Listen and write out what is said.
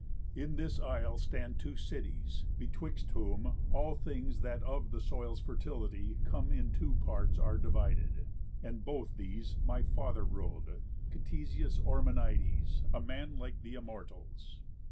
In this isle stand two cities, betwixt whom All things that of the soil's fertility come In two parts are divided. And both these My father rul'd, Ctesius Ormenides, A man like the Immortals.